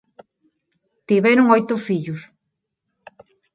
Tiveron oito fillos.